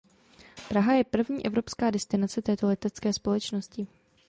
Praha je první evropská destinace této letecké společnosti.